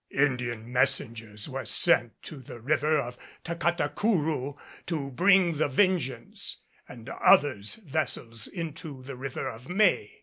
Indian messengers were sent to the river of Tacatacourou to bring the Vengeance and others' vessels into the River of May.